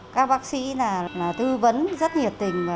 các bác sĩ là tư vấn rất nhiệt tình